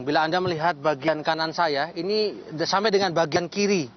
bila anda melihat bagian kanan saya ini sampai dengan bagian kiri